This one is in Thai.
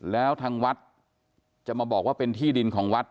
แล้วทางวัดจะมาบอกว่าเป็นที่ดินของวัด